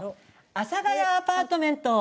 「阿佐ヶ谷アパートメント」